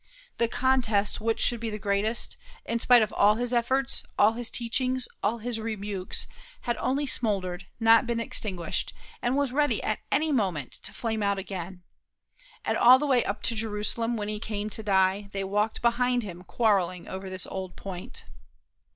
The contest which should be the greatest, in spite of all his efforts, all his teachings, all his rebukes, had only smouldered, not been extinguished, and was ready at any moment to flame out again, and all the way up to Jerusalem when he came to die they walked behind him quarreling over this old point.